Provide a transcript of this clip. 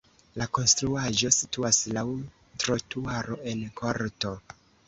La konstruaĵo situas laŭ trotuaro en korto.